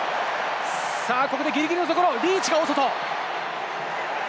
ここでギリギリのところ、リーチが大外。